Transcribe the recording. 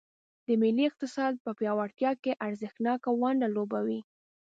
د ملي اقتصاد په پیاوړتیا کې ارزښتناکه ونډه لوبوي.